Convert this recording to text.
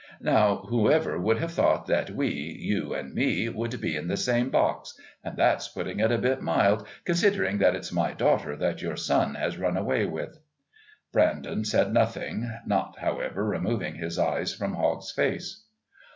Now, whoever would have thought that we, you and me, would be in the same box? And that's putting it a bit mild considering that it's my daughter that your son has run away with." Brandon said nothing, not, however, removing his eyes from Hogg's face.